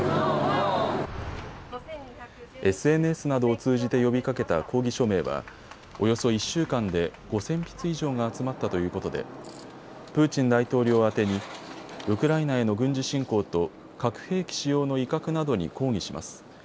ＳＮＳなどを通じて呼びかけた抗議署名はおよそ１週間で５０００筆以上が集まったということでプーチン大統領宛てにウクライナへの軍事侵攻と核兵器使用の威嚇などに抗議します。